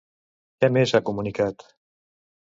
Què més ha comunicat?